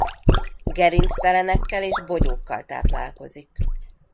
Gerinctelenekkel és bogyókkal táplálkozik.